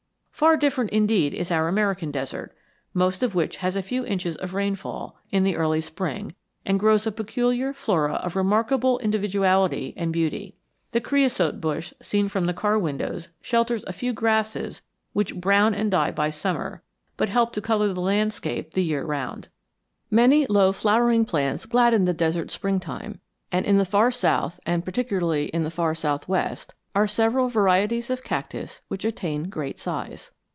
Far different indeed is our American desert, most of which has a few inches of rainfall in the early spring and grows a peculiar flora of remarkable individuality and beauty. The creosote bush seen from the car windows shelters a few grasses which brown and die by summer, but help to color the landscape the year around. Many low flowering plants gladden the desert springtime, and in the far south and particularly in the far southwest are several varieties of cactus which attain great size.